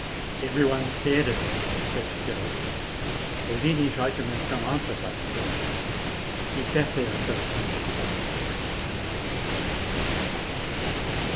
Every one stared at him except Perossi. Yotini tried to make some answer, but could not ; he sat there as though turned to stone, and with a white face.